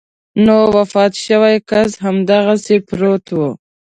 نو وفات شوی کس هماغسې پروت و.